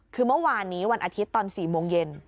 คือเมื่อวานนี้วันอาทิตย์ตอน๔โมงเย็น